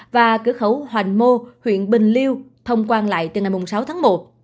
và cửa khẩu hoành mô huyện bình liêu thông quan lại từ ngày sáu tháng một